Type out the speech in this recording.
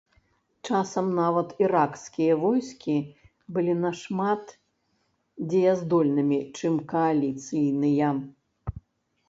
Часам нават іракскія войскі былі нашмат дзеяздольнымі, чым кааліцыйныя.